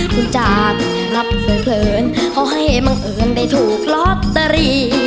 คุณจาดรับเพลินเขาให้บังเอิญได้ถูกลอตเตอรี่